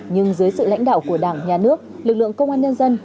nhưng dưới sự lãnh đạo của đảng nhà nước lực lượng công an nhân dân